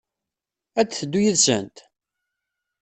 Ad d-teddu yid-sent?